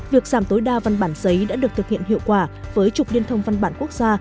việc giảm tối đa văn bản giấy đã được thực hiện hiệu quả với trục liên thông văn bản quốc gia